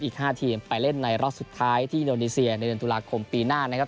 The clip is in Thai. อีก๕ทีมไปเล่นในรอบสุดท้ายที่อินโดนีเซียในเดือนตุลาคมปีหน้านะครับ